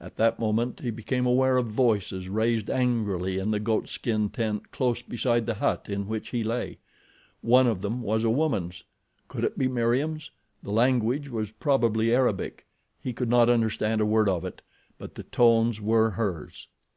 At that moment he became aware of voices raised angrily in the goatskin tent close beside the hut in which he lay. One of them was a woman's. Could it be Meriem's? The language was probably Arabic—he could not understand a word of it; but the tones were hers.